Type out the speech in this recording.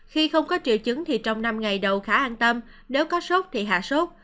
khi không có triệu chứng thì trong năm ngày đầu khá an tâm nếu có sốt thì hạ sốt